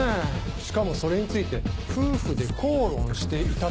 しかもそれについて夫婦で口論していたと。